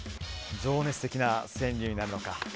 情熱的な川柳になるのか。